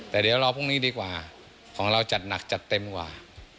แต่เดี๋ยวรอพรุ่งนี้ดีกว่าของเราจัดหนักจัดเต็มกว่า